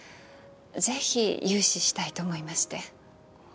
ぜひ融資したいと思いまして